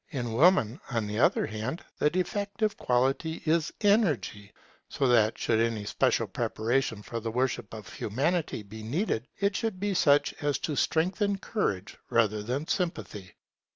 In Woman, on the other hand, the defective quality is Energy; so that, should any special preparation for the worship of Humanity be needed, it should be such as to strengthen courage rather than sympathy.